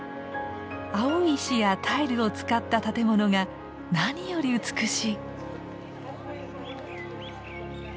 青い石やタイルを使った建物が何より美しい。